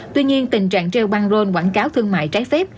tuy nhiên tình trạng treo băng rôn quảng cáo thương mại trái phép